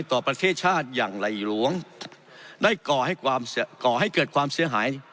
ต่อประเทศชาติอย่างไหลล้วงได้ก่อให้เกิดความเสียหาย